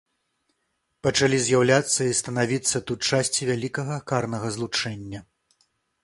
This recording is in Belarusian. Пачалі з'яўляцца і станавіцца тут часці вялікага карнага злучэння.